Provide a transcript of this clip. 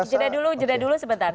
jeda dulu jeda dulu sebentar